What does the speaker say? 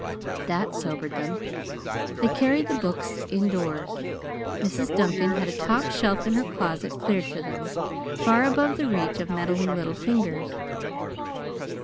That sobered them, they carried the books indoors. Mrs. Duncan had a top shelf in her closet cleared for them, far above the reach of meddling little fingers.